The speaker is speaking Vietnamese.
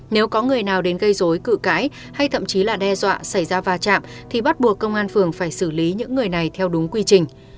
nếu có người nào đến gây dối cự cãi hay thậm chí là đe dọa xảy ra va chạm thì bắt buộc công an phường phải xử lý những người này theo đúng quy trình